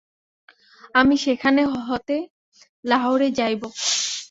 আমি সেখান হতে লাহোরে যাইব।